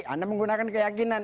anda menggunakan keyakinan